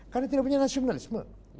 karena tidak punya nasionalisme